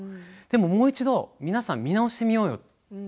もう一度皆さん見直してみようよ